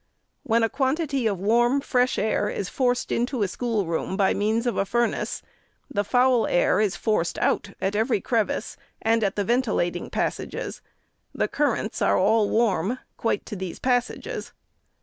When a quantity of warm fresh air is forced into a schoolroom by means of a furnace, the foul air is forced out at every crevice, and at the ventilating passages; the currents are all warm, quite to these passages.